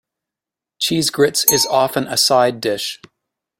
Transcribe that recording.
Cheese grits is often a side dish.